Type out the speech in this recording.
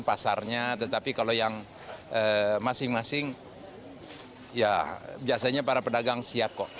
pasarnya tetapi kalau yang masing masing ya biasanya para pedagang siap kok